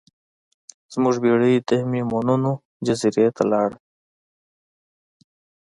زموږ بیړۍ د میمونونو جزیرې ته لاړه.